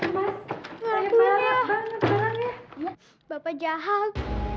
bapak jahat bapak ngadil